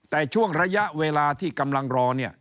แต่ช่วงระยะเวลาที่กำลังรอเนี่ย